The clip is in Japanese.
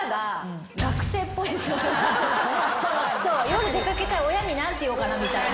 夜出掛けたい親に何て言おうかなみたいな。